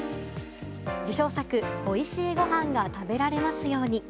受賞作「おいしいごはんが食べられますように」。